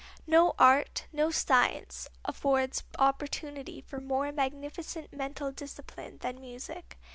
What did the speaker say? No art, no science, affords opportunity for more magnificent mental discipline than music.